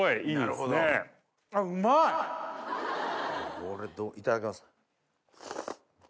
これいただきます。